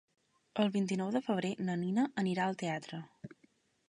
El vint-i-nou de febrer na Nina anirà al teatre.